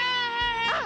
あっ！